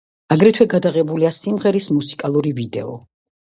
აგრეთვე გადაღებულია სიმღერის მუსიკალური ვიდეო.